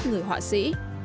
người họa sĩ